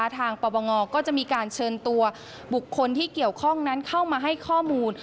ทางปปงก็จะมีการเชิญตัวบุคคลที่เกี่ยวข้องนั้นเข้ามาให้ข้อมูล